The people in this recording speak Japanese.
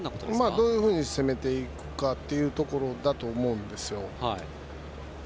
どういうふうに攻めていくかだと思うんですよ。